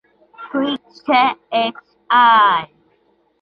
Price et al.